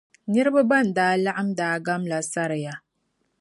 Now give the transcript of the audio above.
Nirba ban daa laɣim daa gam la sariya.